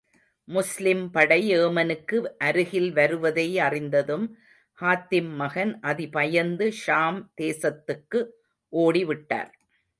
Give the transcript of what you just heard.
முஸ்லிம் படை ஏமனுக்கு அருகில் வருவதை அறிந்ததும் ஹாத்திம் மகன் அதி பயந்து ஷாம் தேசத்துக்கு ஓடிவிட்டார்.